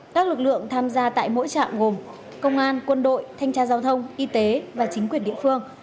các lực lượng tham gia tại mỗi trạm gồm công an quân đội thanh tra giao thông y tế và chính quyền địa phương